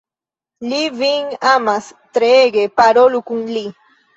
Li vin amas treege, parolu kun li.